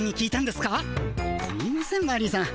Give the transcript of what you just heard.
すいませんマリーさん。